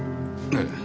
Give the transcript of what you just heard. ええ。